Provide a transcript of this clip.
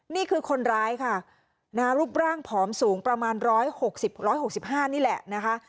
นี่คือคนร้ายค่ะรูปร่างผอมสูงประมาณ๑๖๐๑๖๕นี่แหละนะคะ